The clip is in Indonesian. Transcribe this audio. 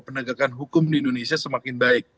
penegakan hukum di indonesia semakin baik